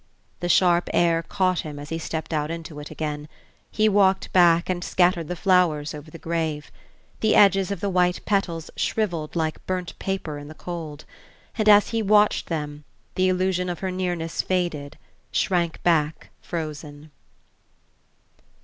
The sharp air caught him as he stepped out into it again. He walked back and scattered the flowers over the grave. The edges of the white petals shrivelled like burnt paper in the cold; and as he watched them the illusion of her nearness faded, shrank back frozen.